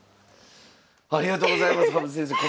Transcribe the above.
ありがとうございます羽生先生